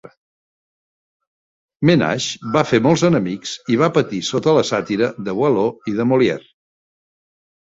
Ménage va fer molts enemics i va patir sota la sàtira de Boileau i de Molière.